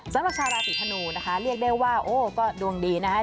สำหรับชาวราศีธนูนะคะเรียกได้ว่าโอ้ก็ดวงดีนะคะ